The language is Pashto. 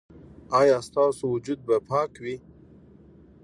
ایا ستاسو وجود به پاک وي؟